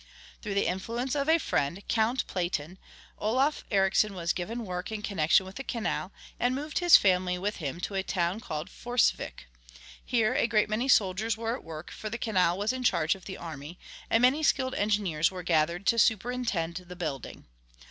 Through the influence of a friend, Count Platen, Olof Ericsson was given work in connection with the canal, and moved his family with him to a town called Forsvik. Here a great many soldiers were at work, for the canal was in charge of the army, and many skilled engineers were gathered to superintend the building.